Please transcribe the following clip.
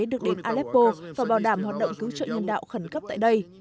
được đến aleppo và bảo đảm hoạt động cứu trợ nhân đạo khẩn cấp tại đây